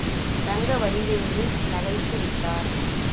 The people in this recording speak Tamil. ரங்கவடிவேலு நகைத்து விட்டார்.